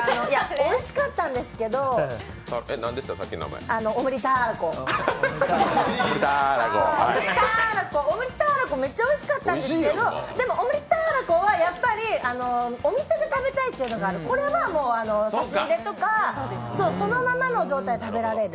おいしかったんですけど、オムリターラコ、めっちゃおいしかったんですけどでも、オムリターラコはやっぱりお店で食べたいというのがあって、これは差し入れとか、そのままの状態で食べられる。